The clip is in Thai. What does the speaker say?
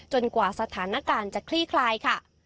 กว่าสถานการณ์จะคลี่คลายค่ะ